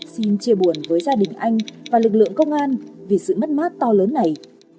xin chia buồn với gia đình anh và lực lượng công an vì sự mất mát to lớn này